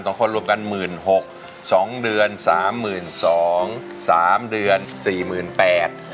สองคนรวมกันหมื่นหกสองเดือนสามหมื่นสองสามเดือนสี่หมื่นแปด